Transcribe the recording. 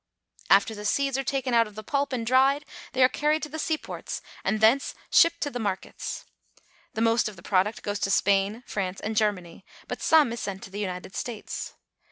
After the seeds are taken out of the pulp and dried they are carried to the seaports and thence shipped to the Banana Plantation. markets. The most of the product goes to Spain, France, and Germany, but some is sent to the United States.